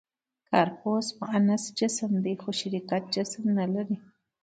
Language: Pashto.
«کارپوس» معنس جسم دی؛ خو شرکت جسم نهلري.